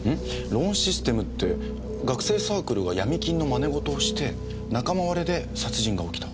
ローンシステムって学生サークルが闇金の真似事をして仲間割れで殺人が起きた。